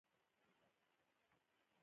هیواد مې د مینې غږ دی